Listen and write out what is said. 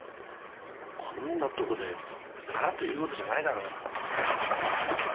こんなとこでさらっと言うことじゃないだろう。